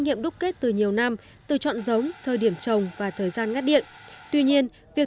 nghiệm đúc kết từ nhiều năm từ chọn giống thời điểm trồng và thời gian ngắt điện tuy nhiên việc